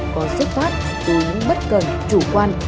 có xuất phát từ những bất cần chủ quan